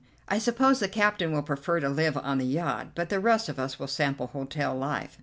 I suppose the captain will prefer to live on the yacht, but the rest of us will sample hotel life.